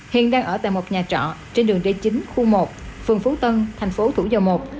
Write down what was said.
hiện đang ở tại một nhà trọ trên đường d chín khu một phường phú tân thành phố thủ dầu một